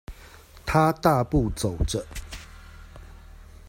他大步走著